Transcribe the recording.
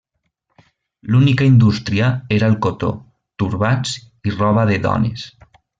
L'única indústria era el cotó, turbants i roba de dones.